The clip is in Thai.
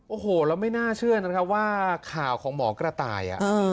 โอ้โหแล้วไม่น่าเชื่อนะครับว่าข่าวของหมอกระต่าย